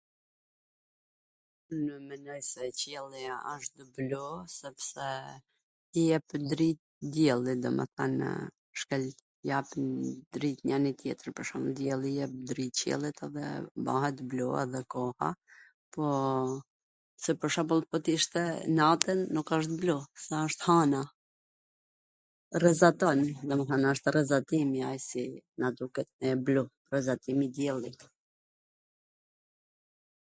Unw menoj se qielli asht blu sepse i jep drit Dielli, domethwnw ... hap drit njani tjetrit, Dielli i jep drit qiellit edhe bahet blu edhe toka, po se pwr shwmbull po tw ishte natwn, nuk wsht blu, wsht hana, rrezaton, domethwn wsht rrezatim, jo aq sa na duket ne blu, ndriCimi i Diellit